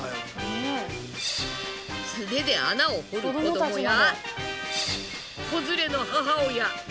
素手で穴を掘る子どもや子連れの母親。